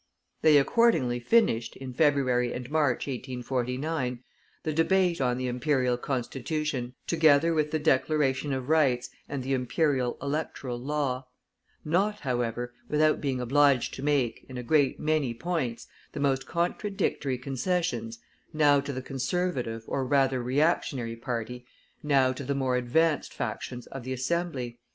They accordingly finished, in February and March, 1849, the debate on the Imperial Constitution, together with the Declaration of Rights and the Imperial Electoral Law; not, however, without being obliged to make, in a great many points, the most contradictory concessions now to the Conservative or rather Reactionary party now to the more advanced factions of the Assembly.